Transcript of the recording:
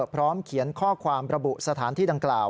พร้อมเขียนข้อความระบุสถานที่ดังกล่าว